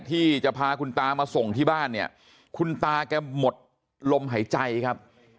ที่จะพาคุณตามาส่งที่บ้านเนี่ยคุณตาแกหมดลมหายใจครับ